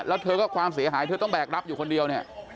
แล้วเธอก็ความเสียหายเธอต้องแบกรับอยู่คนเดียวเนี่ย